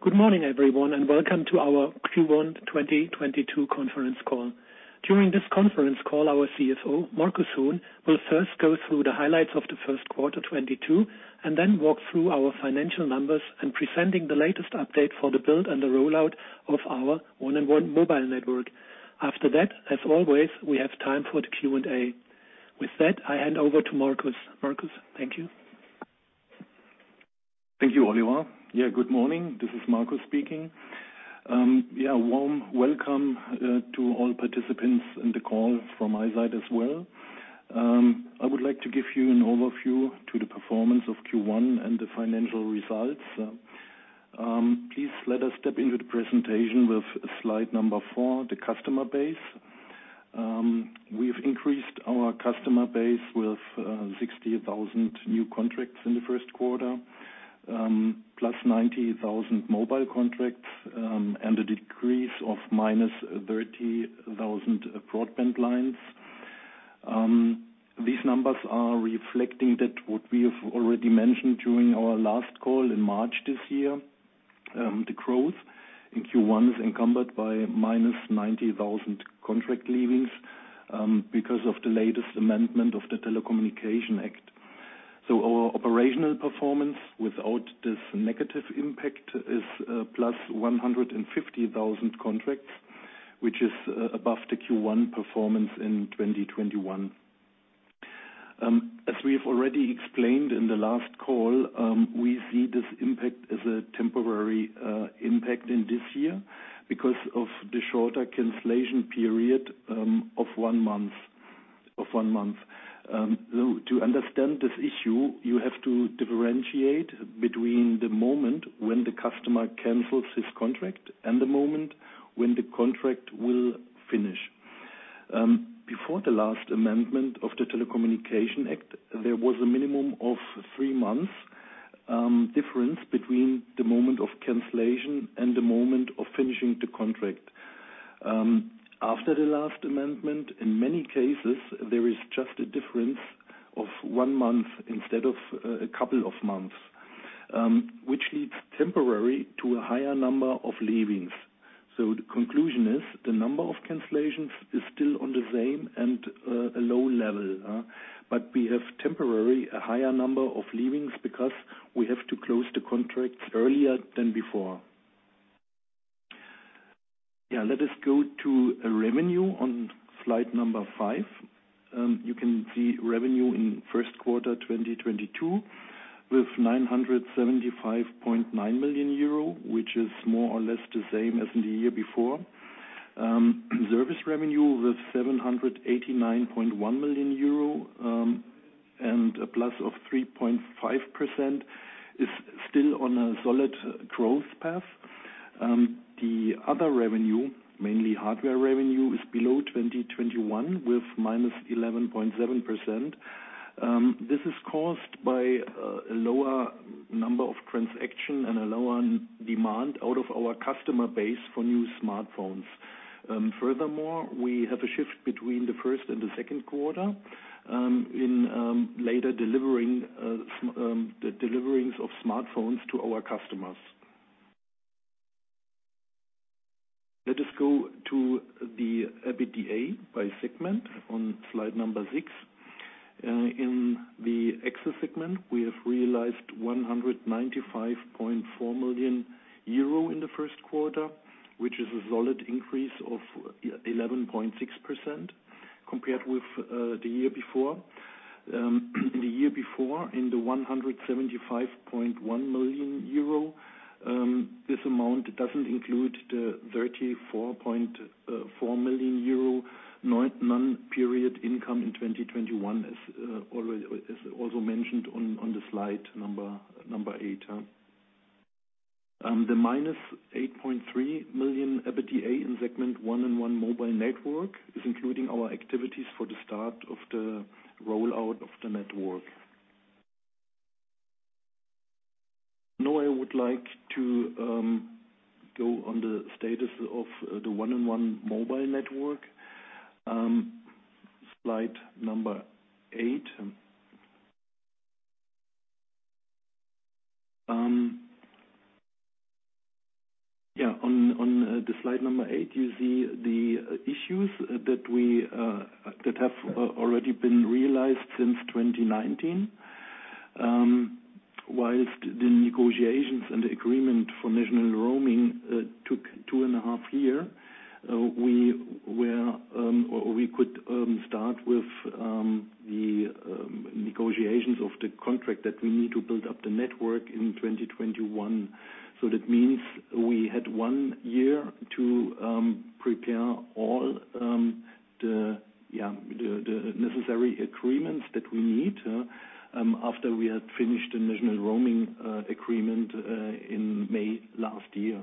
Good morning, everyone, and Welcome to our Q1 2022 conference call. During this conference call, our CFO, Markus Huhn, will first go through the highlights of the first quarter 2022, and then walk through our financial numbers and presenting the latest update for the build and the rollout of our 1&1 mobile network. After that, as always, we have time for the Q&A. With that, I hand over to Markus. Markus, thank you. Thank you, Oliver. Good morning. This is Markus speaking. Warm welcome to all participants in the call from my side as well. I would like to give you an overview to the performance of Q1 and the financial results. Please let us step into the presentation with slide number four, the customer base. We've increased our customer base with 60,000 new contracts in the first quarter, +90,000 mobile contracts, and a decrease of -30,000 broadband lines. These numbers are reflecting that what we have already mentioned during our last call in March this year. The growth in Q1 is encumbered by -90,000 contract leavings, because of the latest amendment of the Telecommunications Act. Our operational performance without this negative impact is +150,000 contracts, which is above the Q1 performance in 2021. As we have already explained in the last call, we see this impact as a temporary impact in this year because of the shorter cancellation period of one month. To understand this issue, you have to differentiate between the moment when the customer cancels his contract and the moment when the contract will finish. Before the last amendment of the Telecommunications Act, there was a minimum of three months difference between the moment of cancellation and the moment of finishing the contract. After the last amendment, in many cases, there is just a difference of one month instead of a couple of months, which leads temporarily to a higher number of leavings. The conclusion is the number of cancellations is still on the same and a low level, but we have temporarily a higher number of leavings because we have to close the contracts earlier than before. Let us go to revenue on slide number five. You can see revenue in first quarter 2022 with 975.9 million euro, which is more or less the same as in the year before. Service revenue with 789.1 million euro and a +3.5% is still on a solid growth path. The other revenue, mainly hardware revenue, is below 2021 with -11.7%. This is caused by a lower number of transactions and a lower demand out of our customer base for new smartphones. Furthermore, we have a shift between the first and the second quarter in later delivering the deliveries of smartphones to our customers. Let us go to the EBITDA by segment on slide six. In the Access segment, we have realized 195.4 million euro in the first quarter, which is a solid increase of 11.6% compared with the year before. The year before in the 175.1 million euro. This amount doesn't include the 34.4 million euro non-recurring income in 2021, as already. Also mentioned on the slide number eight, the -8.3 million EBITDA in segment 1&1 mobile network is including our activities for the start of the rollout of the network. Now, I would like to go on the status of the 1&1 mobile network. Slide number eight. On the slide number eight, you see the issues that have already been realized since 2019. While the negotiations and the agreement for national roaming took 2.5 year, we could start with the negotiations of the contract that we need to build up the network in 2021. That means we had one year to prepare all the necessary agreements that we need after we had finished the national roaming agreement in May last year.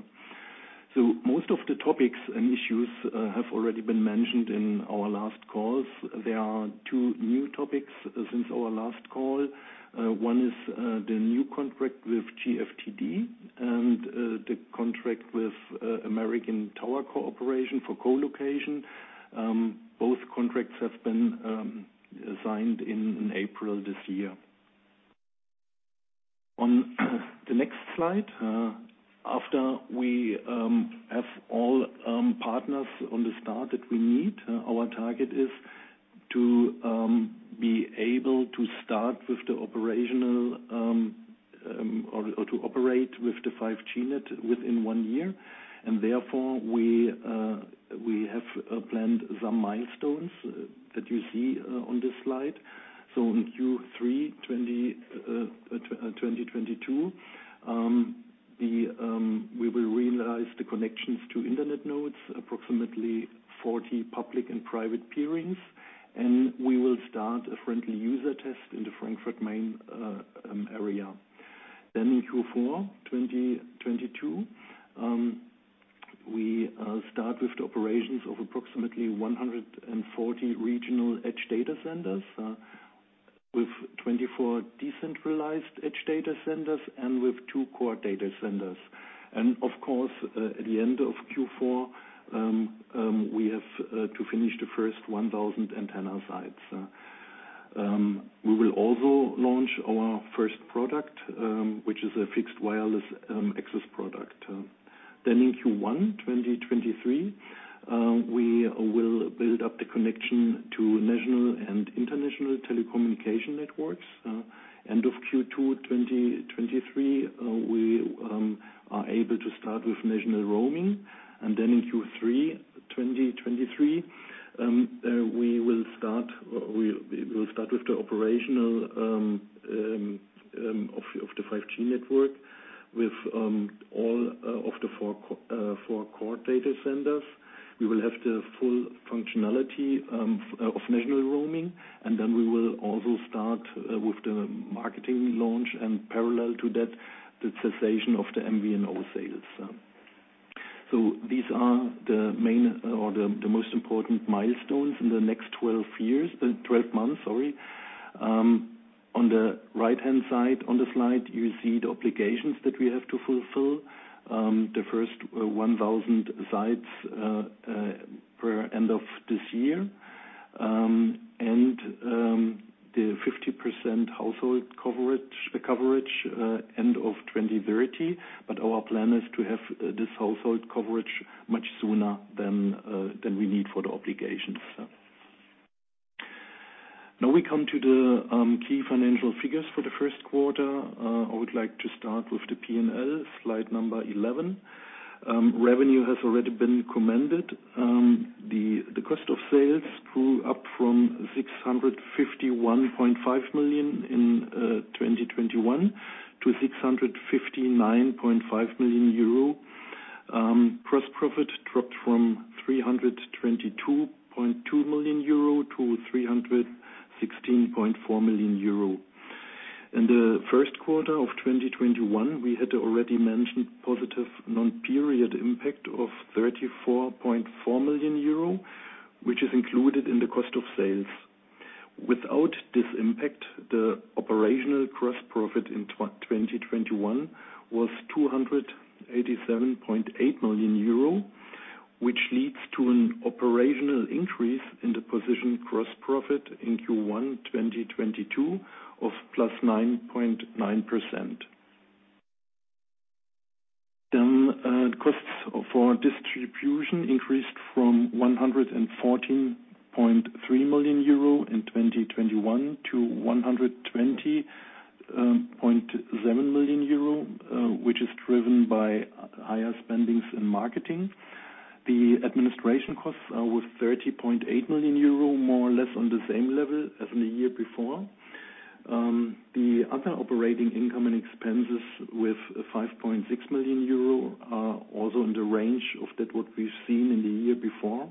Most of the topics and issues have already been mentioned in our last calls. There are two new topics since our last call. One is the new contract with GfTD and the contract with American Tower Corporation for co-location. Both contracts have been signed in April this year. On the next slide, after we have all partners onboard that we need, our target is to be able to start with the operational or to operate with the 5G net within one year. Therefore we have planned some milestones that you see on this slide. In Q3 2022, we will realize the connections to internet nodes, approximately 40 public and private peerings. We will start a friendly user test in the Frankfurt/Main area. In Q4 2022, we start with the operations of approximately 140 regional edge data centers, with 24 decentralized edge data centers and with two core data centers. Of course, at the end of Q4, we have to finish the first 1,000 antenna sites. We will also launch our first product, which is a fixed wireless access product. In Q1 2023, we will build up the connection to national and international telecommunication networks. End of Q2 2023, we are able to start with national roaming. Then in Q3 2023, we will start with the operational of the 5G network with all of the four core data centers. We will have the full functionality of national roaming, and then we will also start with the marketing launch and parallel to that, the cessation of the MVNO sales. These are the main or the most important milestones in the next 12 years. 12 months, sorry. On the right-hand side on the slide, you see the obligations that we have to fulfill. The first 1,000 sites per end of this year. And the 50% household coverage end of 2030. Our plan is to have this household coverage much sooner than we need for the obligations. Now we come to the key financial figures for the first quarter. I would like to start with the P&L, slide number 11. Revenue has already been commented. The cost of sales grew up from 651.5 million in 2021 to 659.5 million euro. Gross profit dropped from 322.2 million-316.4 million euro. In the first quarter of 2021, we had already mentioned positive non-period impact of 34.4 million euro, which is included in the cost of sales. Without this impact, the operational gross profit in 2021 was 287.8 million euro, which leads to an operational increase in the operating gross profit in Q1 2022 of +9.9%. Costs for distribution increased from 114.3 million euro in 2021 to 120.7 million euro, which is driven by higher spending in marketing. The administration costs were 30.8 million euro, more or less on the same level as in the year before. The other operating income and expenses with 5.6 million euro are also in the range of what we've seen in the year before.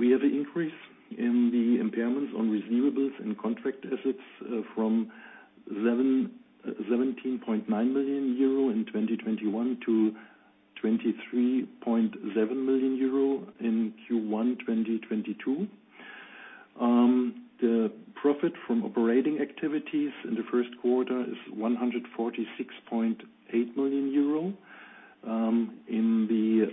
We have an increase in the impairments on receivables and contract assets from 17.9 million euro in 2021 to 23.7 million euro in Q1 2022. The profit from operating activities in the first quarter is 146.8 million euro, in the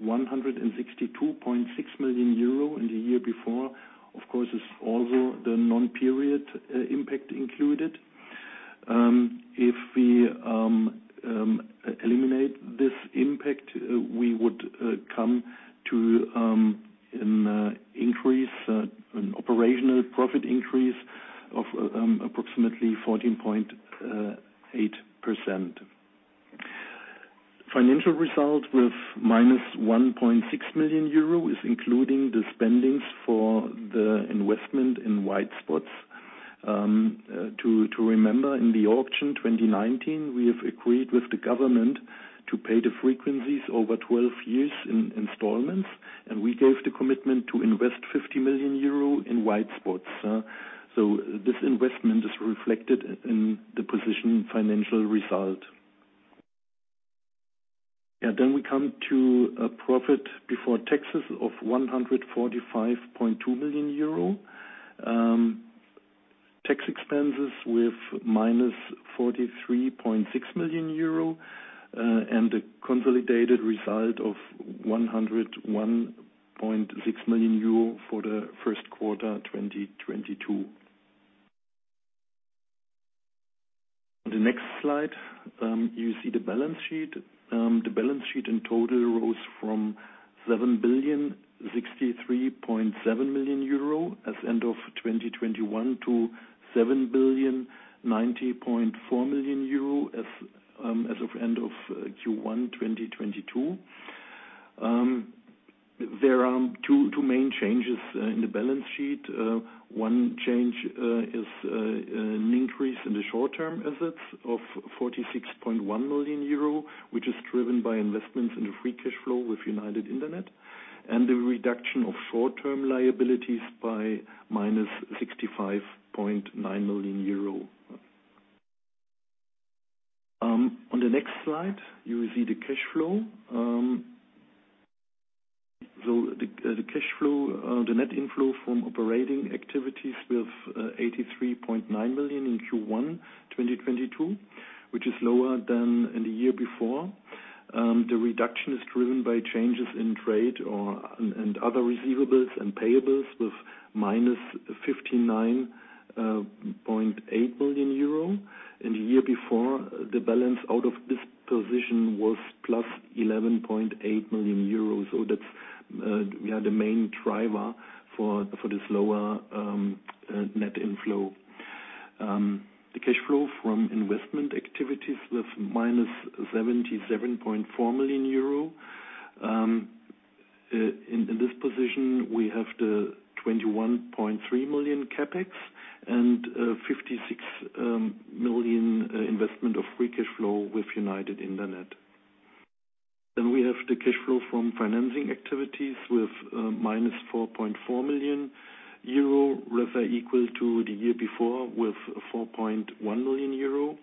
162.6 million euro in the year before, of course, is also the non-period impact included. If we eliminate this impact, we would come to an operational profit increase of approximately 14.8%. Financial result with -1.6 million euro is including the spending for the investment in white spots. To remember in the auction 2019, we have agreed with the government to pay the frequencies over 12 years in installments, and we gave the commitment to invest 50 million euro in white spots. This investment is reflected in the position financial result. We come to a profit before taxes of 145.2 million euro. Tax expenses with -43.6 million euro, and a consolidated result of 101.6 million euro for the first quarter 2022. On the next slide, you see the balance sheet. The balance sheet in total rose from 7,063.7 million euro as end of 2021 to 7,090.4 million euro as of end of Q1 2022. There are two main changes in the balance sheet. One change is an increase in the short-term assets of 46.1 million euro, which is driven by investments in the free cash flow with United Internet, and the reduction of short-term liabilities by minus EUR 65.9 million. On the next slide, you will see the cash flow. The cash flow, the net inflow from operating activities with 83.9 million in Q1 2022, which is lower than in the year before. The reduction is driven by changes in trade and other receivables and payables with minus 59.8 million euro. In the year before, the balance of this position was plus 11.8 million euros. That's the main driver for this lower net inflow. The cash flow from investment activities with -77.4 million euro. In this position, we have the 21.3 million CapEx and 56 million investment of free cash flow with United Internet. We have the cash flow from financing activities with -4.4 million euro, rather equal to the year before with 4.1 million euro.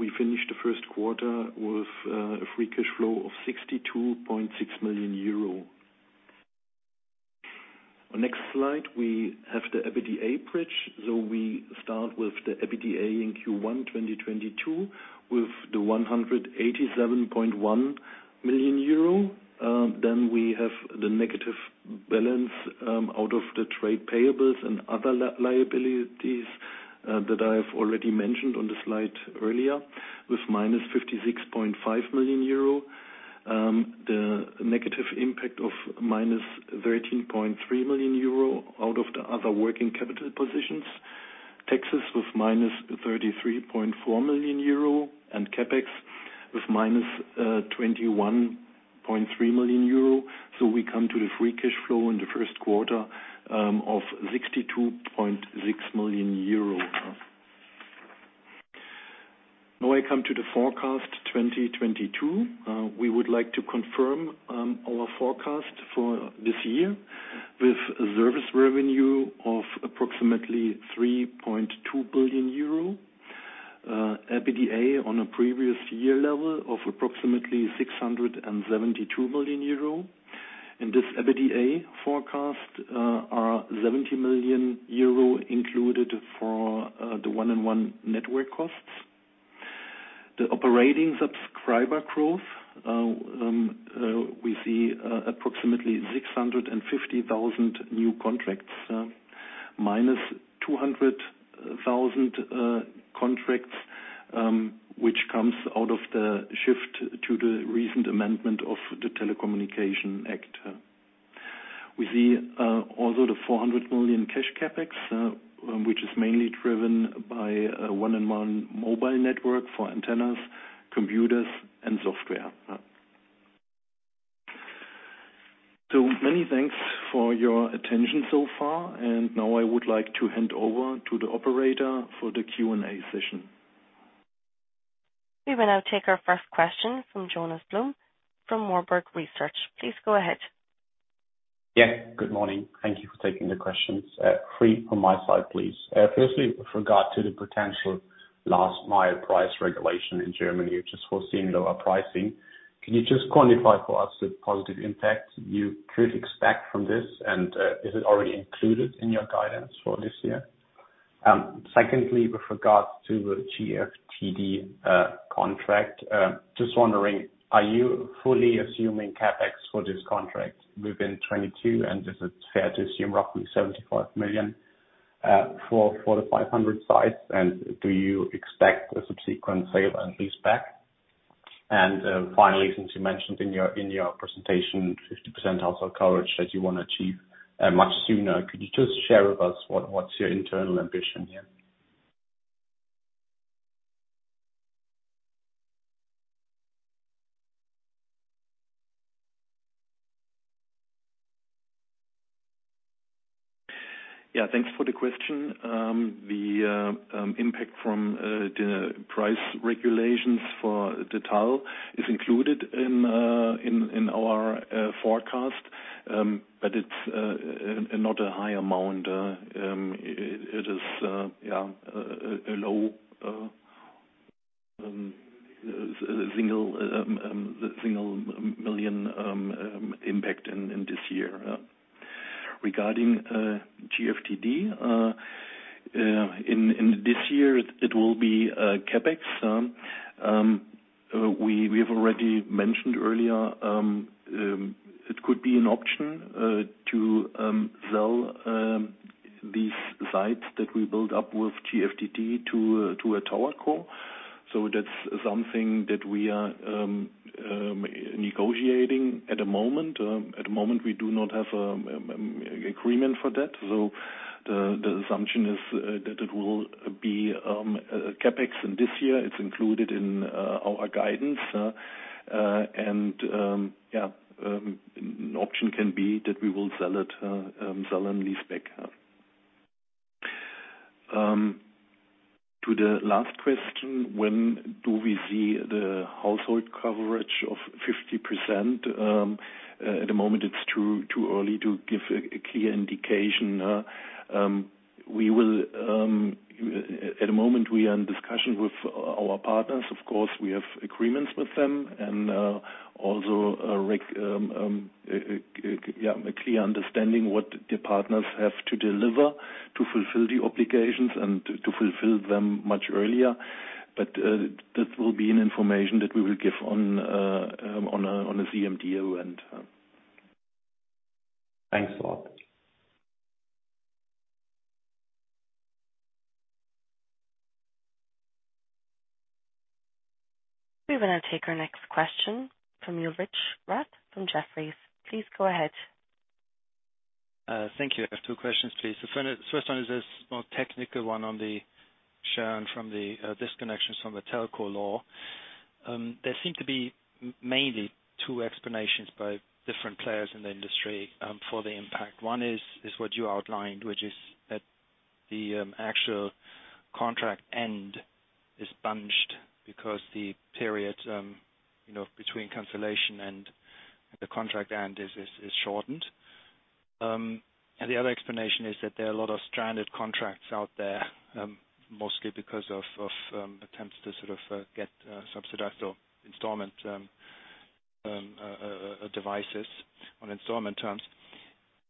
We finished the first quarter with a free cash flow of 62.6 million euro. On next slide, we have the EBITDA bridge. We start with the EBITDA in Q1 2022 with the 187.1 million euro. We have the negative balance out of the trade payables and other liabilities that I have already mentioned on the slide earlier, with -56.5 million euro. The negative impact of -13.3 million euro out of the other working capital positions. Taxes with -33.4 million euro and CapEx with -21.3 million euro. We come to the free cash flow in the first quarter of 62.6 million euro. Now I come to the forecast 2022. We would like to confirm our forecast for this year with service revenue of approximately 3.2 billion euro. EBITDA on a previous year level of approximately 672 million euro. In this EBITDA forecast are 70 million euro included for the 1&1 network costs. The operating subscriber growth, we see approximately 650,000 new contracts, -200,000 contracts, which comes out of the shift to the recent amendment of the Telecommunications Act. We see also the 400 million cash CapEx, which is mainly driven by a 1&1 mobile network for antennas, computers, and software. Many thanks for your attention so far. Now I would like to hand over to the operator for the Q&A session. We will now take our first question from Jonas Blum from Warburg Research. Please go ahead. Yeah, good morning. Thank you for taking the questions. Three from my side, please. Firstly, with regard to the potential last mile price regulation in Germany, you're just foreseeing lower pricing. Can you just quantify for us the positive impact you could expect from this? And is it already included in your guidance for this year? Secondly, with regards to the GfTD contract, just wondering, are you fully assuming CapEx for this contract within 2022? And is it fair to assume roughly 75 million for the 500 sites? And do you expect a subsequent sale and leaseback? And finally, since you mentioned in your presentation 50% household coverage that you want to achieve much sooner, could you just share with us what's your internal ambition here? Yeah, thanks for the question. The impact from the price regulations for the telco is included in our forecast. It's not a high amount. It is a low single million EUR impact in this year. Regarding GfTD, in this year it will be CapEx. We have already mentioned earlier, it could be an option to sell these sites that we build up with GfTD to a TowerCo. That's something that we are negotiating at the moment. At the moment, we do not have agreement for that. The assumption is that it will be CapEx in this year. It's included in our guidance. An option can be that we will sell it, sell and lease back. To the last question, when do we see the household coverage of 50%? At the moment it's too early to give a clear indication. At the moment we are in discussion with our partners. Of course, we have agreements with them and also a clear understanding what the partners have to deliver to fulfill the obligations and to fulfill them much earlier. That will be an information that we will give on a CMD event. Thanks a lot. We're gonna take our next question from Ulrich Rathe from Jefferies. Please go ahead. Thank you. I have two questions, please. The first one is a more technical one on the churn from the disconnections from the telco law. There seem to be mainly two explanations by different players in the industry for the impact. One is what you outlined, which is that the actual contract end is bunched because the period you know between cancellation and the contract end is shortened. The other explanation is that there are a lot of stranded contracts out there, mostly because of attempts to sort of get subsidized or installment devices on installment terms.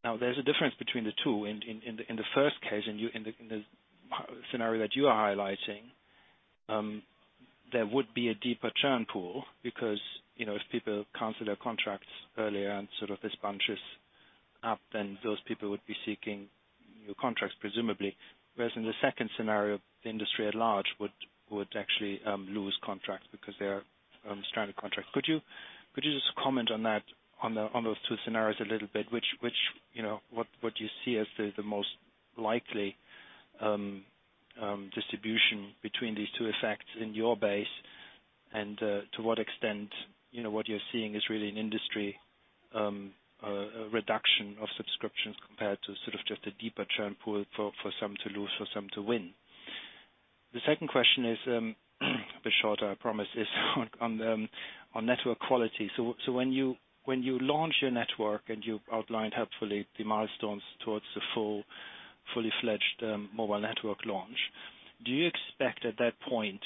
Now, there's a difference between the two. In the first case, in the scenario that you are highlighting, there would be a deeper churn pool because, you know, if people cancel their contracts earlier and sort of this bunches up, then those people would be seeking new contracts, presumably. Whereas in the second scenario, the industry at large would actually lose contracts because they are stranded contracts. Could you just comment on that, on those two scenarios a little bit? Which, you know, what do you see as the most likely distribution between these two effects in your base? And to what extent, you know, what you're seeing is really an industry reduction of subscriptions compared to sort of just a deeper churn pool for some to lose, for some to win. The second question is a bit shorter, I promise, is on network quality. When you launch your network and you outlined helpfully the milestones towards the fully fledged mobile network launch, do you expect at that point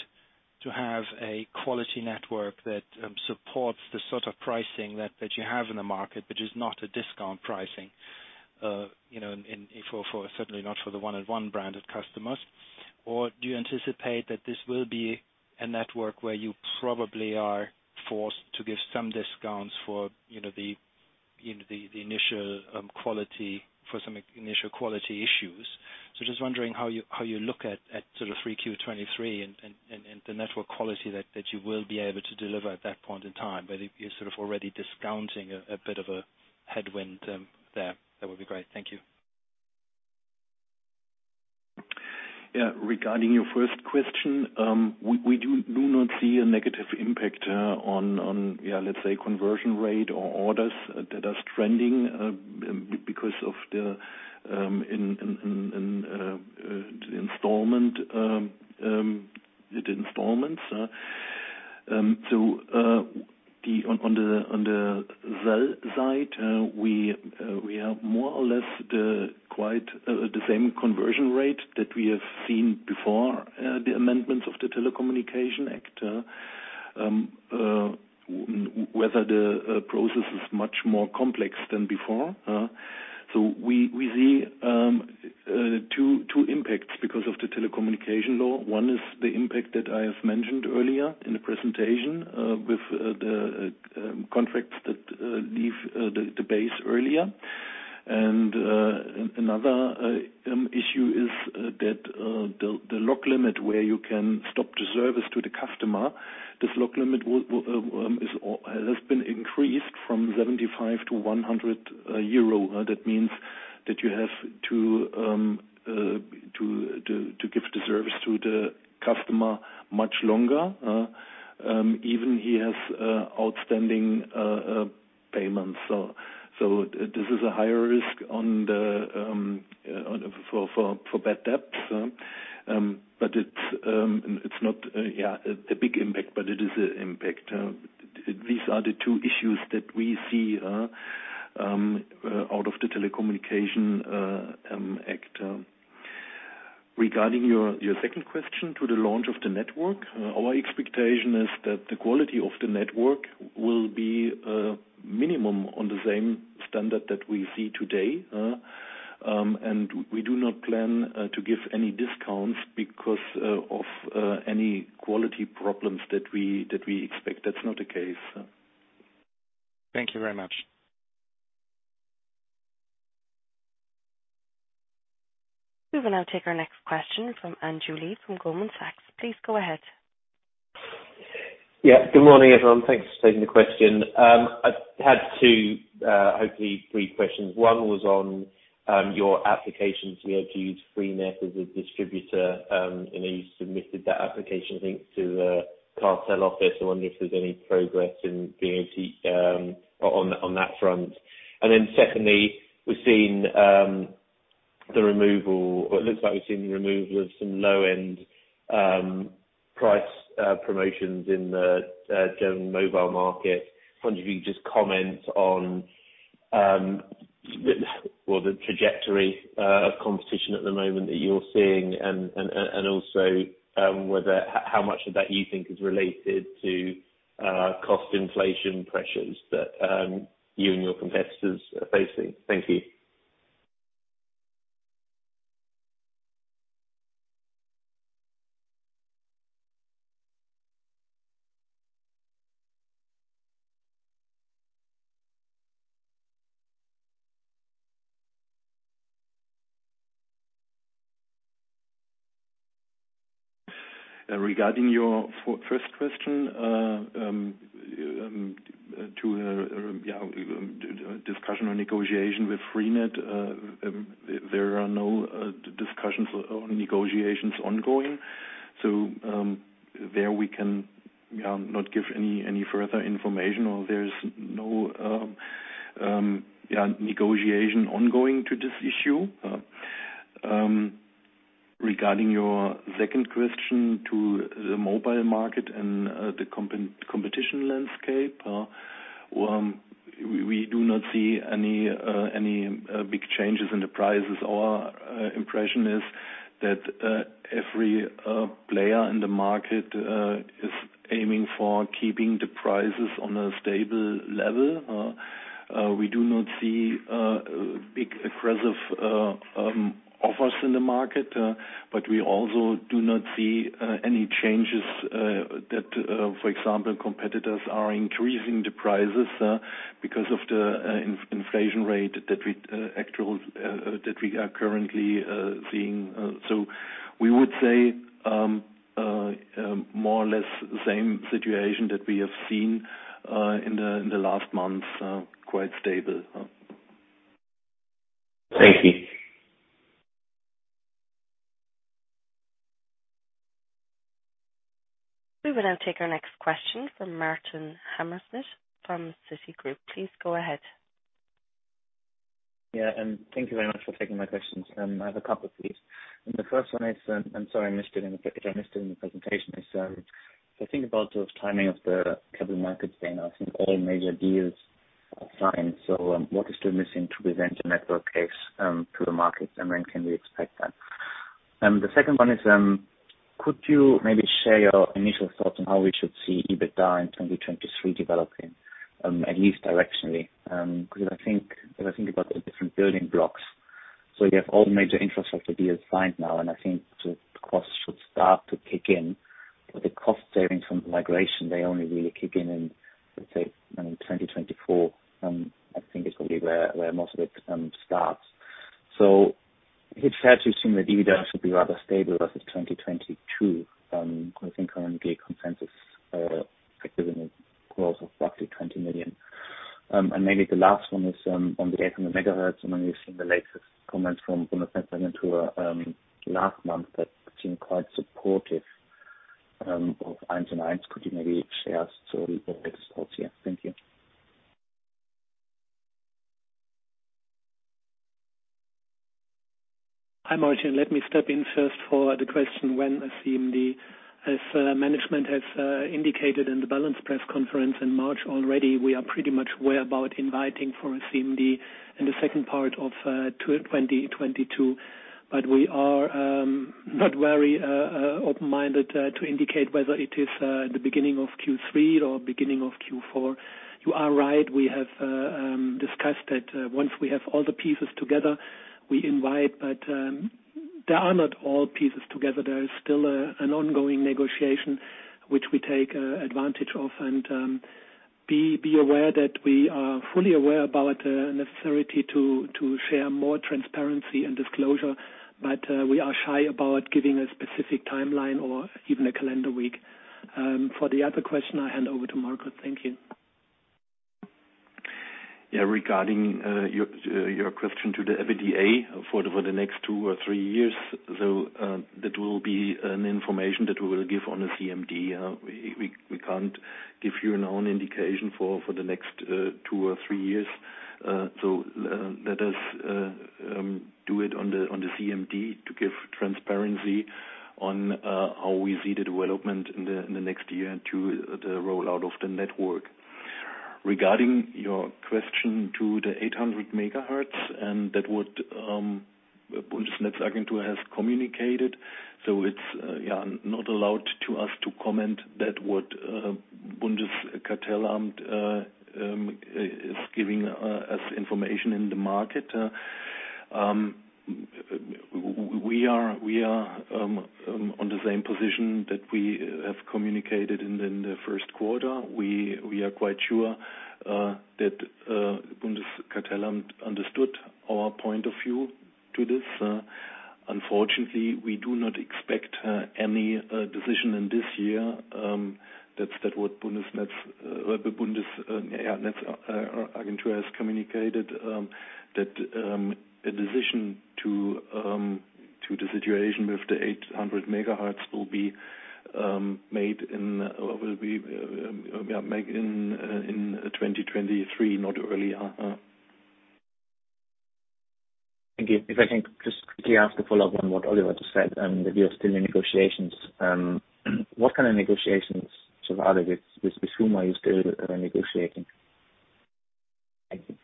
to have a quality network that supports the sort of pricing that you have in the market, which is not a discount pricing? You know, certainly not for the 1&1 branded customers. Or do you anticipate that this will be a network where you probably are forced to give some discounts for, you know, the initial quality for some initial quality issues? Just wondering how you look at sort of 3Q 2023 and the network quality that you will be able to deliver at that point in time? If you're sort of already discounting a bit of a headwind there. That would be great. Thank you. Yeah. Regarding your first question, we do not see a negative impact on, yeah, let's say conversion rate or orders that are trending because of the installments. So, on the sell side, we have more or less quite the same conversion rate that we have seen before the amendments of the Telecommunications Act. Whether the process is much more complex than before. So we see two impacts because of the Telecommunications Act. One is the impact that I have mentioned earlier in the presentation, with the contracts that leave the base earlier. Another issue is that the lock limit where you can stop the service to the customer. This lock limit has been increased from 75-100 euro. That means that you have to give the service to the customer much longer even he has outstanding payments. This is a higher risk for bad debts. But it's not a big impact, but it is a impact. These are the two issues that we see out of the Telecommunications Act. Regarding your second question to the launch of the network, our expectation is that the quality of the network will be minimum on the same standard that we see today. We do not plan to give any discounts because of any quality problems that we expect. That's not the case. Thank you very much. We will now take our next question from Andrew Lee from Goldman Sachs. Please go ahead. Yeah. Good morning, everyone. Thanks for taking the question. I had two, hopefully three questions. One was on your application to be able to use Freenet as a distributor. You submitted that application, I think, to the cartel office. I wonder if there's any progress in being able to on that front. Then secondly, we've seen the removal, or it looks like we've seen the removal of some low-end price promotions in the German mobile market. I wonder if you can just comment on, well, the trajectory of competition at the moment that you're seeing and also whether how much of that you think is related to cost inflation pressures that you and your competitors are facing. Thank you. Regarding your first question, discussion or negotiation with Freenet. There are no discussions or negotiations ongoing. There we can not give any further information, or there's no negotiation ongoing to this issue. Regarding your second question to the mobile market and the competition landscape, well, we do not see any big changes in the prices. Our impression is that every player in the market is aiming for keeping the prices on a stable level. We do not see big aggressive offers in the market, but we also do not see any changes that, for example, competitors are increasing the prices because of the inflation rate that we are currently seeing. We would say more or less the same situation that we have seen in the last months, quite stable. Thank you. We will now take our next question from Martin Hammerschmidt from Citigroup. Please go ahead. Yeah, thank you very much for taking my questions. I have a couple please. The first one is, I'm sorry, I missed it in the presentation. If I think about the timing of the capital markets day, now I think all major deals are signed. What is still missing to present a network case to the market? And when can we expect that? The second one is, could you maybe share your initial thoughts on how we should see EBITDA in 2023 developing, at least directionally? Because if I think about the different building blocks, so you have all the major infrastructure deals signed now, and I think the costs should start to kick in. The cost savings from migration, they only really kick in in, let's say, 2024. I think is probably where most of it starts. It's fair to assume that EBITDA should be rather stable versus 2022. I think currently consensus expecting a growth of roughly 20 million. Maybe the last one is on the 800 MHz. When you've seen the latest comments from Bundesnetzagentur last month that seemed quite supportive of 1&1. Could you maybe share your thoughts here? Thank you. Hi, Martin. Let me step in first for the question when a CMD. As management has indicated in the balanced press conference in March already, we are pretty much aware about inviting for a CMD in the second part of 2022. We are not very open-minded to indicate whether it is the beginning of Q3 or beginning of Q4. You are right. We have discussed that once we have all the pieces together, we invite. There are not all pieces together. There is still an ongoing negotiation which we take advantage of. Be aware that we are fully aware about necessity to share more transparency and disclosure, but we are shy about giving a specific timeline or even a calendar week. For the other question, I hand over to Markus. Thank you. Yeah. Regarding your question to the EBITDA for the next two or three years. That will be an information that we will give on a CMD. We can't give you our own indication for the next two or three years. Let us do it on the CMD to give transparency on how we see the development in the next year to the rollout of the network. Regarding your question to the 800 MHz, Bundesnetzagentur has communicated. It's yeah, not allowed to us to comment on what Bundeskartellamt is giving us information in the market. We are on the same position that we have communicated in the first quarter. We are quite sure that Bundeskartellamt understood our point of view to this. Unfortunately, we do not expect any decision in this year, that's what Bundesnetzagentur has communicated, that a decision to the situation with the 800 MHz will be made in 2023, not earlier. Again, if I can just quickly ask a follow-up on what Oliver just said, and that you are still in negotiations. What kind of negotiations, so rather with whom are you still negotiating? Thank you.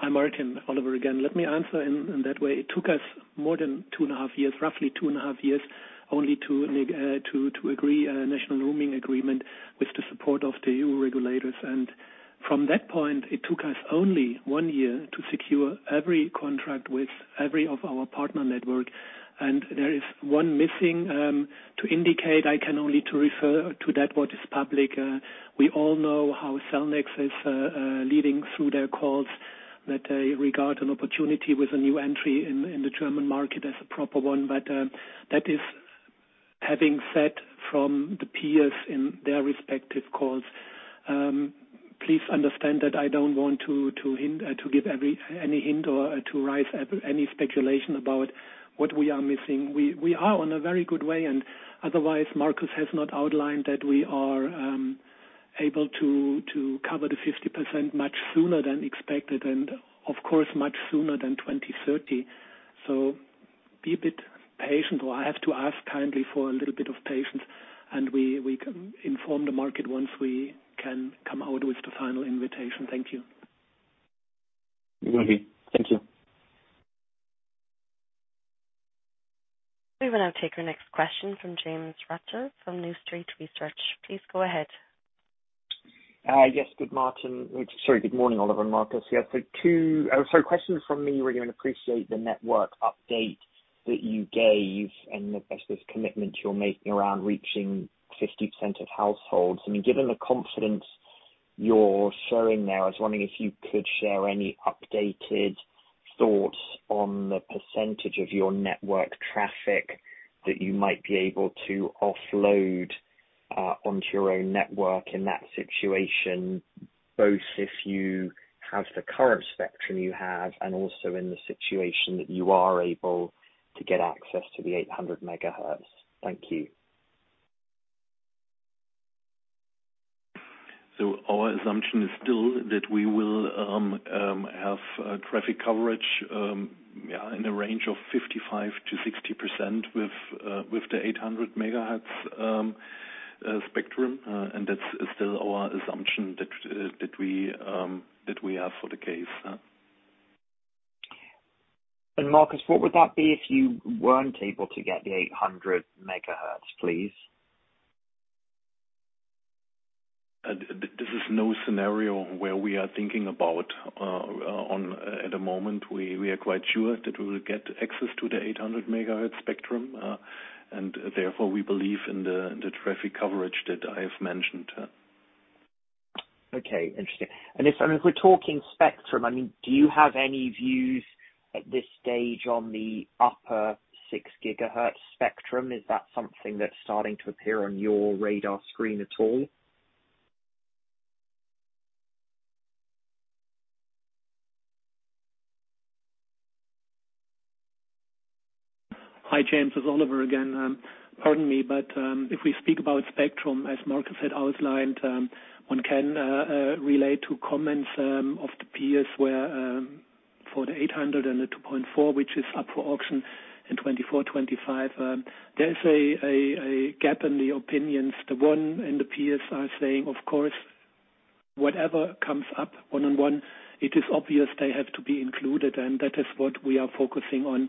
Hi Martin, Oliver again. Let me answer in that way. It took us more than 2.5 Years, roughly 2.5 Years, only to agree a national roaming agreement with the support of the EU regulators. From that point, it took us only one year to secure every contract with every of our partner network. There is one missing. To indicate, I can only refer to what is public. We all know how Cellnex is leading through their calls that they regard an opportunity with a new entry in the German market as a proper one. That having been said from the peers in their respective calls. Please understand that I don't want to give any hint or to rouse any speculation about what we are missing. We are on a very good way, and otherwise Markus has not outlined that we are able to cover the 50% much sooner than expected and of course, much sooner than 2030. Be a bit patient, or I have to ask kindly for a little bit of patience, and we can inform the market once we can come out with the final information. Thank you. Will do. Thank you. We will now take our next question from James Ratzer on New Street Research. Please go ahead. Good morning, Oliver and Markus. Yeah, two questions from me. I really appreciate the network update that you gave and the business commitment you're making around reaching 50% of households. I mean, given the confidence you're showing there, I was wondering if you could share any updated thoughts on the percentage of your network traffic that you might be able to offload onto your own network in that situation, both if you have the current spectrum you have and also in the situation that you are able to get access to the 800 MHz. Thank you. Our assumption is still that we will have traffic coverage in a range of 55%-60% with the 800 MHz spectrum. That's still our assumption that we have for the case. Markus, what would that be if you weren't able to get the 800 MHz, please? This is no scenario where we are thinking about one at the moment. We are quite sure that we will get access to the 800 MHz spectrum, and therefore we believe in the traffic coverage that I have mentioned. Okay. Interesting. If we're talking spectrum, I mean, do you have any views at this stage on the upper 6 GHz spectrum? Is that something that's starting to appear on your radar screen at all? Hi, James. It's Oliver again. If we speak about spectrum, as Markus had outlined, one can relate to comments of the peers where, for the 800 MHz and the 2.6 GHz, which is up for auction in 2024, 2025. There's a gap in the opinions. 1&1 and the peers are saying of course, whatever comes up 1&1, it is obvious they have to be included and that is what we are focusing on.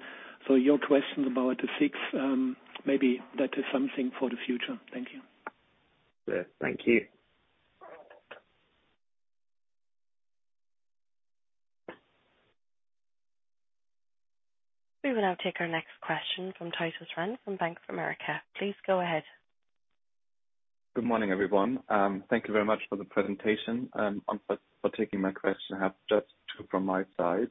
Your question about the 6 GHz maybe that is something for the future. Thank you. Yeah. Thank you. We will now take our next question from Titus Krahn from Bank of America. Please go ahead. Good morning, everyone. Thank you very much for the presentation and for taking my question. I have just two from my side.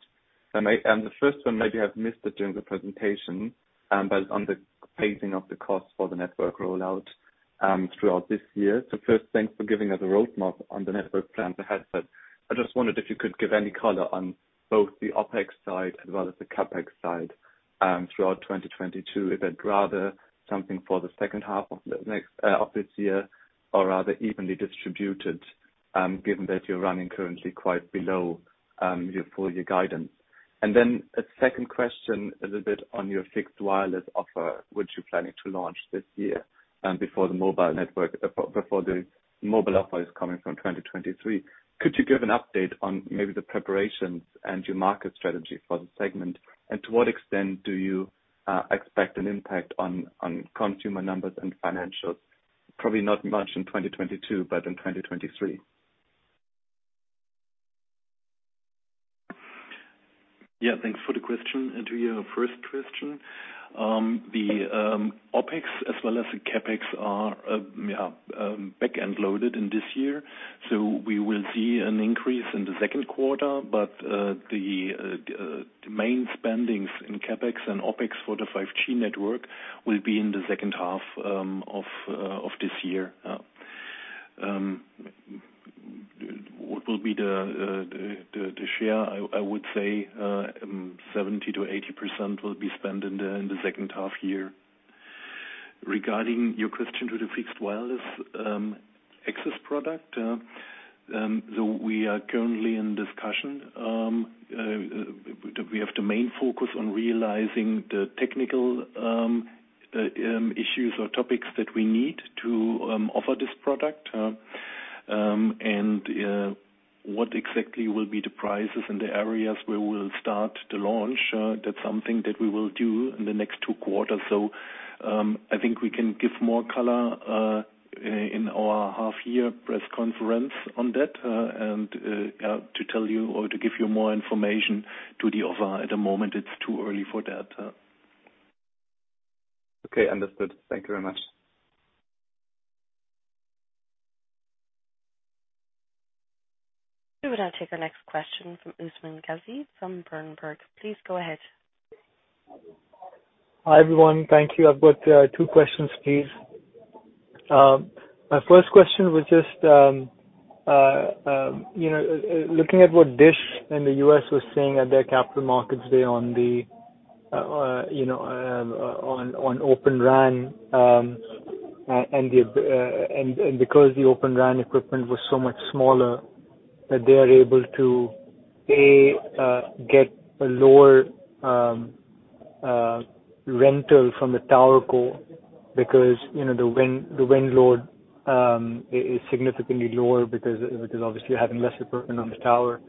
The first one, maybe I've missed it during the presentation, but on the pacing of the cost for the network rollout throughout this year. First, thanks for giving us a roadmap on the network plan ahead, but I just wondered if you could give any color on both the OpEx side as well as the CapEx side, throughout 2022, if that's rather something for the second half of this year or rather evenly distributed, given that you're running currently quite below your full year guidance. Then a second question a little bit on your fixed wireless offer, which you're planning to launch this year and before the mobile network before the mobile offer is coming from 2023. Could you give an update on maybe the preparations and your market strategy for the segment? And to what extent do you expect an impact on consumer numbers and financials? Probably not much in 2022, but in 2023. Yeah, thanks for the question. To your first question, the OpEx as well as the CapEx are back-end loaded in this year. We will see an increase in the second quarter. The main spendings in CapEx and OpEx for the 5G network will be in the second half of this year. What will be the share? I would say 70%-80% will be spent in the second half year. Regarding your question to the fixed wireless access product, we are currently in discussion. We have two main focus on realizing the technical issues or topics that we need to offer this product. What exactly will be the prices and the areas where we'll start the launch? That's something that we will do in the next two quarters. I think we can give more color in our half year press conference on that. To tell you or to give you more information to the offer, at the moment, it's too early for that. Okay, understood. Thank you very much. We will now take our next question from Usman Ghazi, from Berenberg. Please go ahead. Hi, everyone. Thank you. I've got two questions, please. My first question was just you know looking at what DISH in the U.S. was saying at their capital markets day on Open RAN and because the Open RAN equipment was so much smaller that they are able to get a lower rental from the TowerCo because you know the wind load is significantly lower because obviously you're having less equipment on the tower.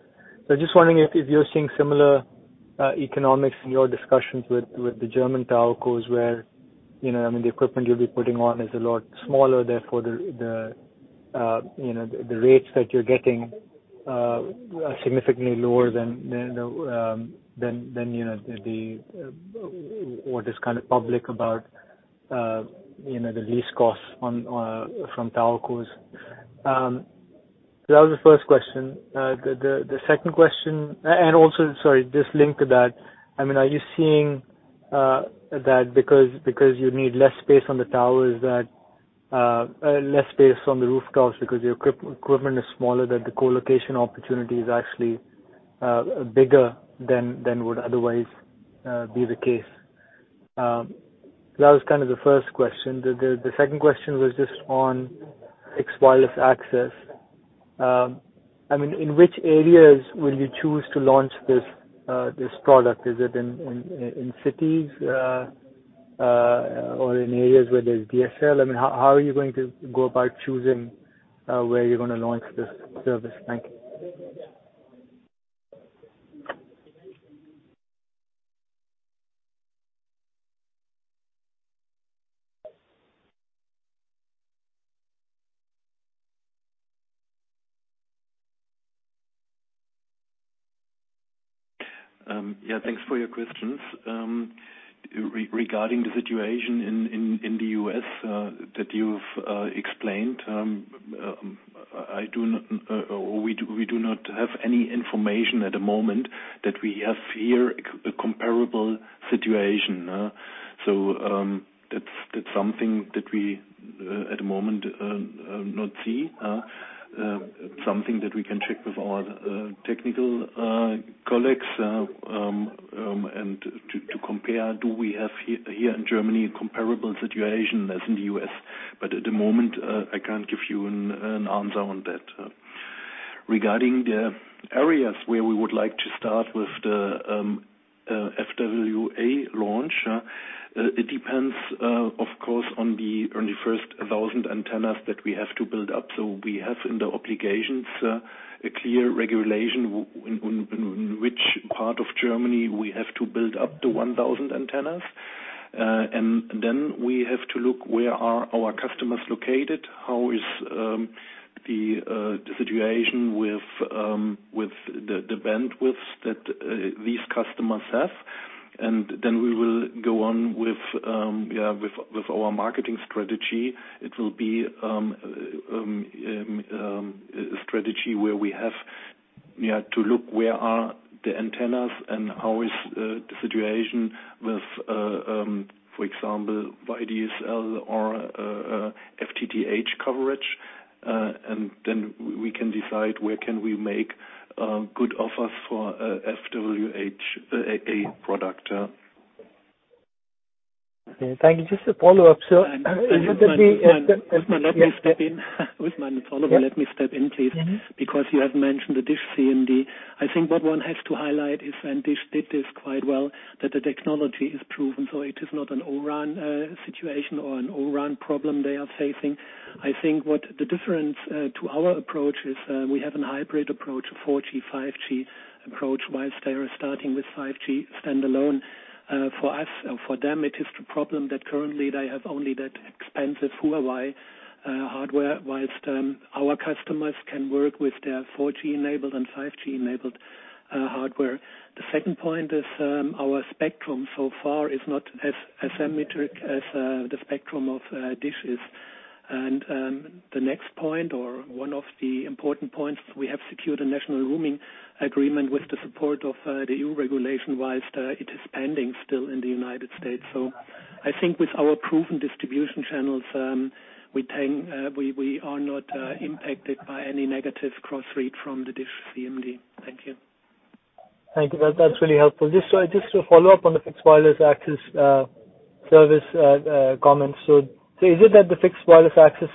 Just wondering if you're seeing similar economics in your discussions with the German TowerCos where, you know, I mean, the equipment you'll be putting on is a lot smaller, therefore, the rates that you're getting are significantly lower than what is kind of public about the lease costs on from TowerCos. That was the first question. The second question. And also, sorry, just linked to that. I mean, are you seeing that because you need less space on the towers, less space on the rooftops because your equipment is smaller, that the co-location opportunity is actually bigger than would otherwise be the case? That was kind of the first question. The second question was just on fixed wireless access. I mean, in which areas will you choose to launch this product? Is it in cities or in areas where there's DSL? I mean, how are you going to go about choosing where you're gonna launch this service? Thank you. Yeah, thanks for your questions. Regarding the situation in the U.S. that you've explained, we do not have any information at the moment that we have here a comparable situation. That's something that we at the moment not see. Something that we can check with our technical colleagues and to compare, do we have here in Germany a comparable situation as in the U.S.? At the moment, I can't give you an answer on that. Regarding the areas where we would like to start with the FWA launch, it depends, of course, on the first 1,000 antennas that we have to build up. We have in the obligations a clear regulation on which part of Germany we have to build up to 1,000 antennas. Then we have to look where our customers are located, how is the situation with the bandwidths that these customers have. Then we will go on with our marketing strategy. It will be a strategy where we have to look where the antennas are and how is the situation with, for example, VDSL or FTTH coverage. Then we can decide where can we make good offers for FWA product. Thank you. Just a follow-up, sir. let me step in. Usman Ghazi, follow up. Let me step in, please. Mm-hmm. Because you have mentioned the DISH CMD. I think what one has to highlight is, and DISH did this quite well, that the technology is proven, so it is not an O-RAN situation or an O-RAN problem they are facing. I think what the difference to our approach is, we have a hybrid approach, a 4G, 5G approach, whilst they are starting with 5G standalone. For us or for them, it is the problem that currently they have only that expensive Huawei hardware, whilst our customers can work with their 4G enabled and 5G enabled hardware. The second point is, our spectrum so far is not as symmetric as the spectrum of DISH is. The next point, or one of the important points, we have secured a national roaming agreement with the support of the EU regulation-wise. It is pending still in the United States. I think with our proven distribution channels, we are not impacted by any negative cross-read from the DISH CMD. Thank you. Thank you. That's really helpful. Just to follow up on the fixed wireless access service comments. Is it that the fixed wireless access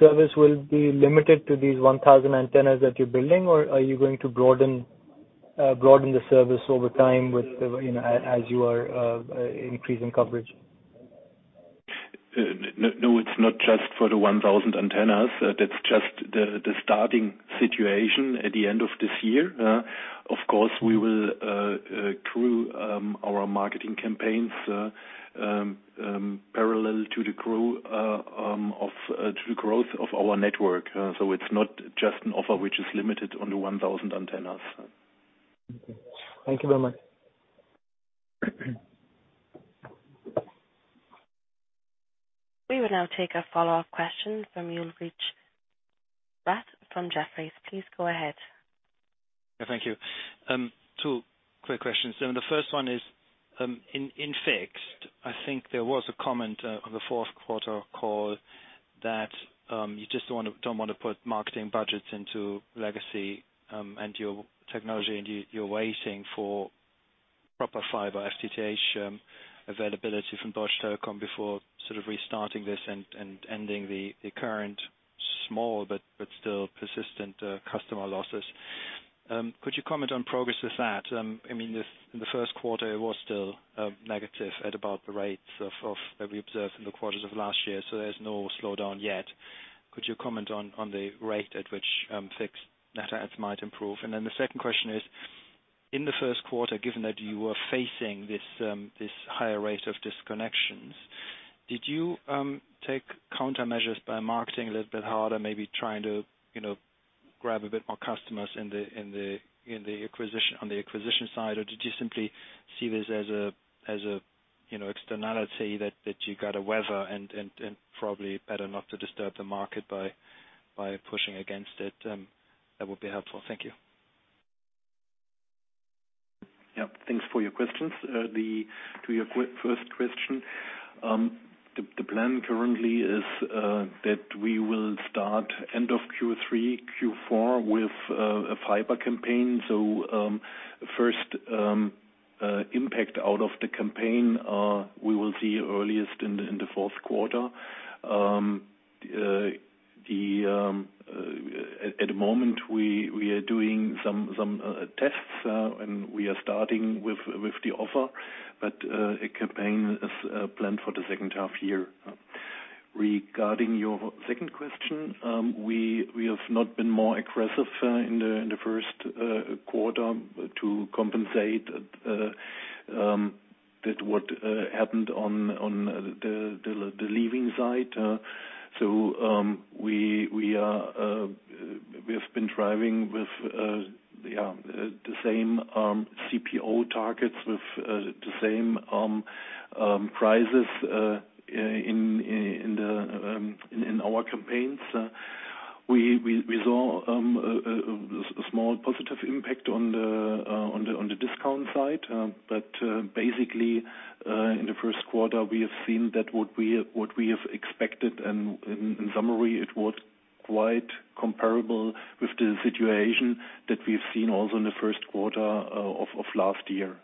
service will be limited to these 1,000 antennas that you're building, or are you going to broaden the service over time with the, you know, as you are increasing coverage? No, it's not just for the 1,000 antennas. That's just the starting situation at the end of this year. Of course, we will through our marketing campaigns parallel to the growth of our network. It's not just an offer which is limited to the 1,000 antennas. Okay. Thank you very much. We will now take a follow-up question from Ulrich Rathe from Jefferies. Please go ahead. Yeah, thank you. Two quick questions. The first one is, in fixed, I think there was a comment on the fourth quarter call that you just don't wanna put marketing budgets into legacy and your technology, and you're waiting for proper fiber FTTH availability from Deutsche Telekom before sort of restarting this and ending the current small, but still persistent, customer losses. Could you comment on progress with that? I mean, if in the first quarter it was still negative at about the rates of that we observed in the quarters of last year, so there's no slowdown yet. Could you comment on the rate at which fixed net adds might improve? The second question is, in the first quarter, given that you were facing this higher rate of disconnections, did you take countermeasures by marketing a little bit harder, maybe trying to, you know, grab a bit more customers in the acquisition, on the acquisition side? Or did you simply see this as a, you know, externality that you gotta weather and probably better not to disturb the market by pushing against it? That would be helpful. Thank you. Yeah. Thanks for your questions. To your first question, the plan currently is that we will start end of Q3, Q4 with a fiber campaign. First impact out of the campaign, we will see earliest in the fourth quarter. At the moment, we are doing some tests, and we are starting with the offer, but a campaign is planned for the second half year. Regarding your second question, we have not been more aggressive in the first quarter to compensate that what happened on the leaving side. We are driving with the same CPO targets with the same prices in our campaigns. We saw a small positive impact on the discount side. But basically, in the first quarter, we have seen that what we have expected, and in summary, it was quite comparable with the situation that we've seen also in the first quarter of last year.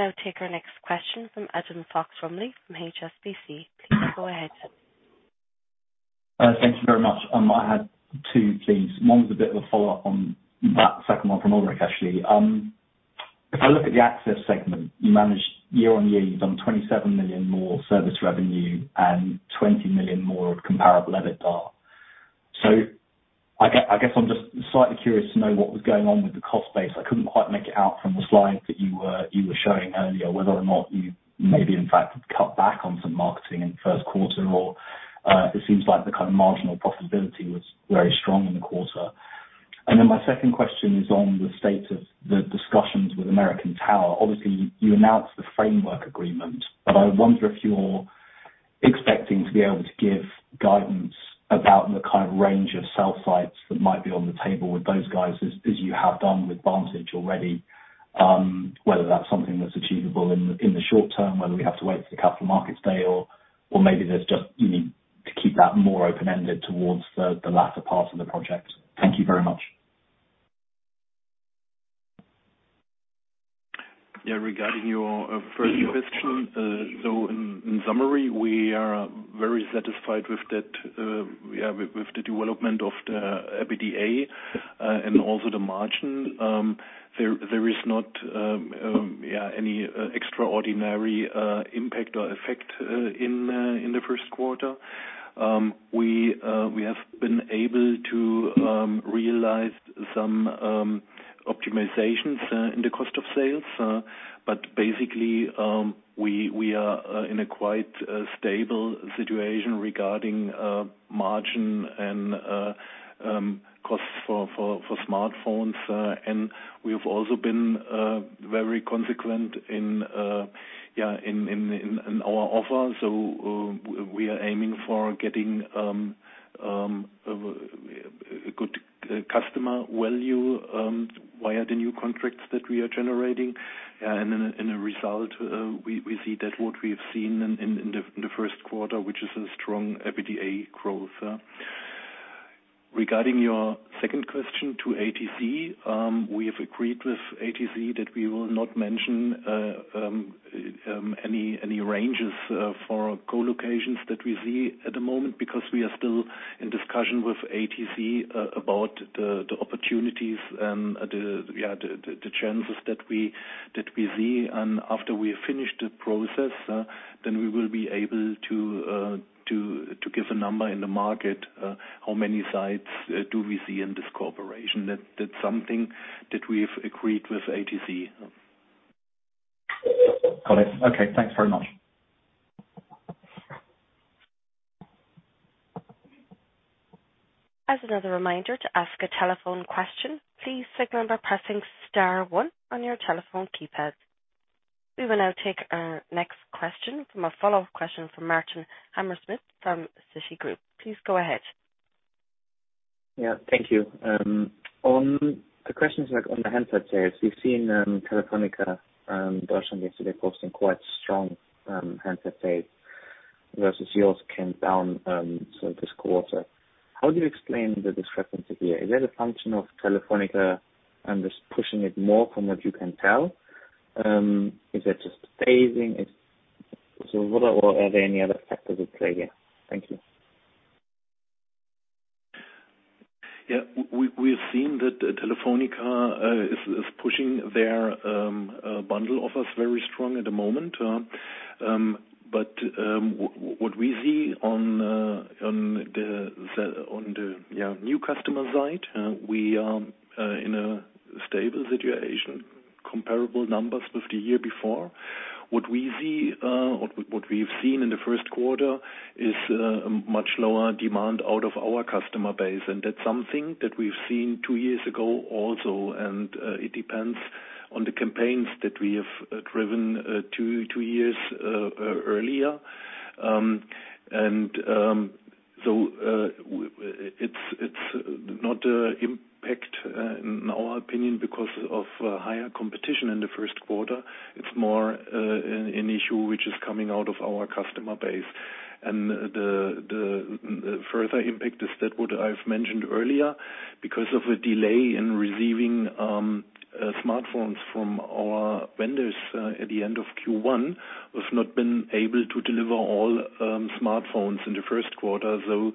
We will now take our next question from Adam Fox-Rumley from HSBC. Please go ahead. Thank you very much. I had two, please. One was a bit of a follow-up on that second one from Ulrich, actually. If I look at the access segment, you managed year-over-year, you've done 27 million more service revenue and 20 million more of comparable EBITDA. I guess I'm just slightly curious to know what was going on with the cost base. I couldn't quite make it out from the slides that you were showing earlier, whether or not you maybe in fact cut back on some marketing in first quarter or it seems like the kind of marginal profitability was very strong in the quarter. My second question is on the state of the discussions with American Tower. Obviously, you announced the framework agreement, but I wonder if you're expecting to be able to give guidance about the kind of range of cell sites that might be on the table with those guys as you have done with Vantage already, whether that's something that's achievable in the short term, whether we have to wait for the Capital Markets Day or maybe there's just you need to keep that more open-ended towards the latter part of the project. Thank you very much. Regarding your first question. In summary, we are very satisfied with that, with the development of the EBITDA and also the margin. There is not any extraordinary impact or effect in the first quarter. We have been able to realize some optimizations in the cost of sales. Basically, we are in a quite stable situation regarding margin and costs for smartphones. We've also been very consistent in our offer. We are aiming for getting a good customer value via the new contracts that we are generating. As a result, we see that what we've seen in the first quarter, which is a strong EBITDA growth. Regarding your second question to ATC, we have agreed with ATC that we will not mention any ranges for co-locations that we see at the moment because we are still in discussion with ATC about the opportunities and the chances that we see. After we have finished the process, then we will be able to give a number in the market, how many sites do we see in this cooperation. That's something that we've agreed with ATC. Got it. Okay, thanks very much. As another reminder to ask a telephone question, please signal by pressing star one on your telephone keypads. We will now take our next question from a follow-up question from Martin Hammerschmidt from Citigroup. Please go ahead. Yeah. Thank you. On the questions like on the handset sales, we've seen Telefónica Deutschland yesterday posting quite strong handset sales versus yours came down so this quarter. How do you explain the discrepancy here? Is that a function of Telefónica and just pushing it more from what you can tell? Is that just phasing? So, are there any other factors at play here? Thank you. Yeah. We've seen that Telefónica is pushing their bundle offers very strong at the moment. What we see on the new customer side, we are in a stable situation, comparable numbers with the year before. What we see or what we've seen in the first quarter is a much lower demand out of our customer base. That's something that we've seen two years ago also. It depends on the campaigns that we have driven two years earlier. It's not an impact in our opinion because of higher competition in the first quarter. It's more an issue which is coming out of our customer base. The further impact is that what I've mentioned earlier, because of a delay in receiving smartphones from our vendors at the end of Q1, we've not been able to deliver all smartphones in the first quarter, though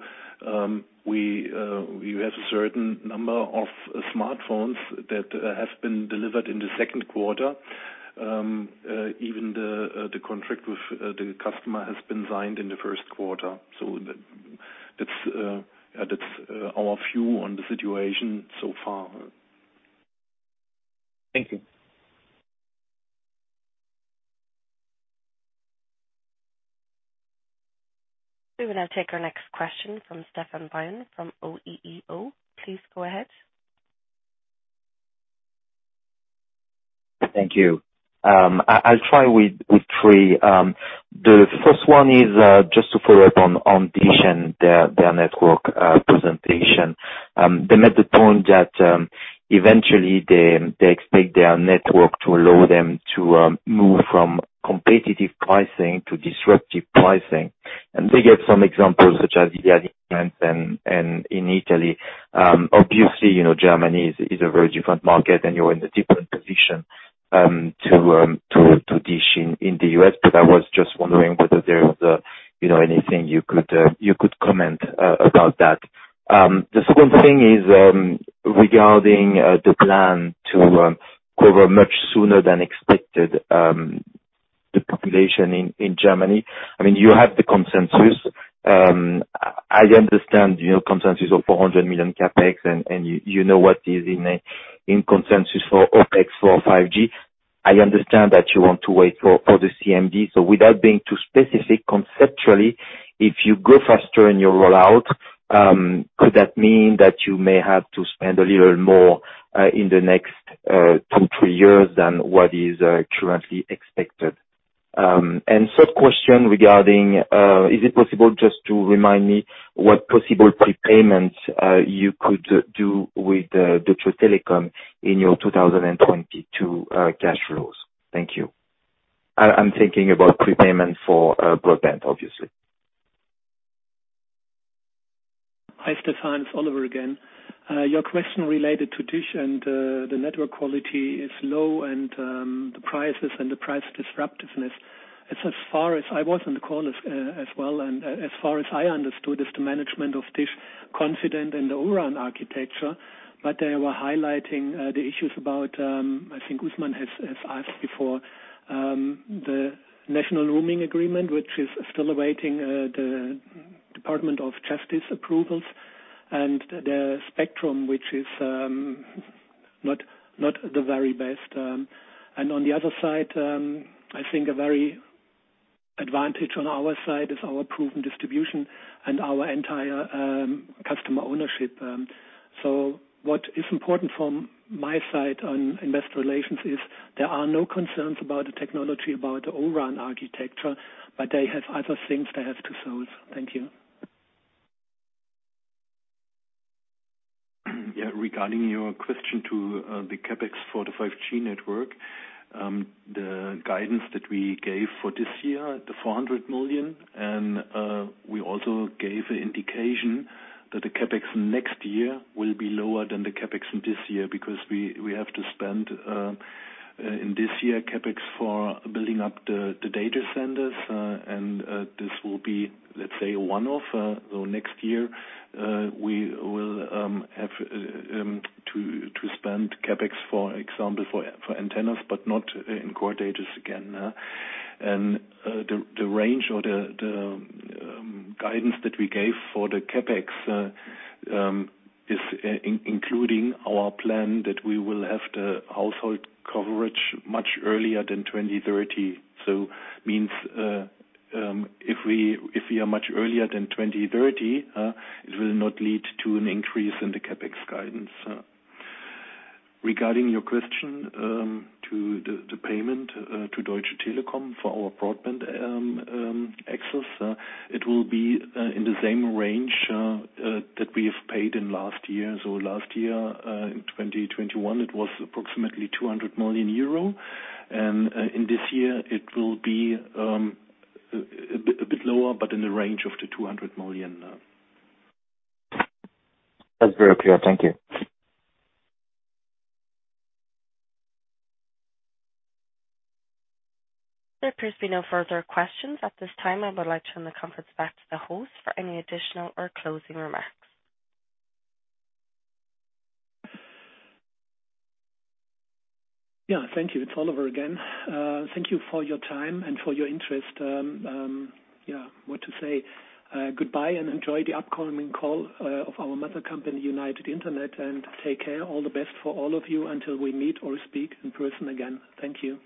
we have a certain number of smartphones that has been delivered in the second quarter. Even the contract with the customer has been signed in the first quarter. That's our view on the situation so far. Thank you. We will now take our next question from Stéphane Beyazian from ODDO BHF. Please go ahead. Thank you. I'll try with three. The first one is just to follow up on DISH and their network presentation. They made the point that eventually they expect their network to allow them to move from competitive pricing to disruptive pricing. They gave some examples such as the Iliad and in Italy. Obviously, you know, Germany is a very different market, and you're in a different position to DISH in the U.S. I was just wondering whether there was you know, anything you could comment about that. The second thing is regarding the plan to cover much sooner than expected the population in Germany. I mean, you have the consensus. I understand, you know, consensus of 400 million CapEx, and you know what is in consensus for OpEx for 5G. I understand that you want to wait for the CMD. Without being too specific, conceptually, if you go faster in your rollout, could that mean that you may have to spend a little more in the next two-three years than what is currently expected? Third question regarding, is it possible just to remind me what possible prepayments you could do with the Deutsche Telekom in your 2022 cash flows? Thank you. I'm thinking about prepayment for broadband, obviously. Hi, Stéphane. It's Oliver again. Your question related to DISH and the network quality is low and the prices and the price disruptiveness. As far as I was on the call as well. As far as I understood, the management of DISH is confident in the O-RAN architecture. But they were highlighting the issues about, I think Usman Ghazi has asked before, the national roaming agreement, which is still awaiting the Department of Justice approvals and the spectrum, which is not the very best. On the other side, I think a very advantage on our side is our proven distribution and our entire customer ownership. What is important from my side on investor relations is there are no concerns about the technology, about the O-RAN architecture, but they have other things they have to solve. Thank you. Yeah. Regarding your question to the CapEx for the 5G network. The guidance that we gave for this year, the 400 million. We also gave an indication that the CapEx next year will be lower than the CapEx in this year because we have to spend in this year CapEx for building up the data centers. This will be, let's say, a one-off. Next year we will have to spend CapEx, for example, for antennas, but not in core data centers again. The range or the guidance that we gave for the CapEx is including our plan that we will have the household coverage much earlier than 2030. It means if we are much earlier than 2030, it will not lead to an increase in the CapEx guidance. Regarding your question to the payment to Deutsche Telekom for our broadband access, it will be in the same range that we have paid in last year. Last year in 2021 it was approximately 200 million euro. In this year it will be a bit lower, but in the range of the 200 million. That's very clear. Thank you. There appears to be no further questions at this time. I would like to turn the conference back to the host for any additional or closing remarks. Yeah. Thank you. It's Oliver again. Thank you for your time and for your interest. Yeah. What to say? Goodbye and enjoy the upcoming call of our mother company, United Internet. Take care. All the best for all of you until we meet or speak in person again. Thank you.